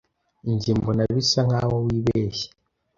Njye mbona bisa nkaho wibeshye.